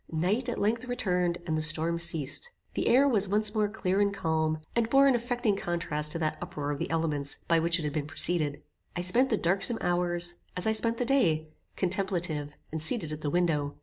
Night at length returned, and the storm ceased. The air was once more clear and calm, and bore an affecting contrast to that uproar of the elements by which it had been preceded. I spent the darksome hours, as I spent the day, contemplative and seated at the window.